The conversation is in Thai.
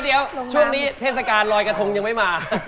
เดี๋ยวช่วงนี้เทศกาลลอยกระทงยังไม่มา